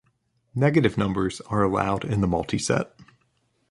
Negative numbers are allowed in the multiset.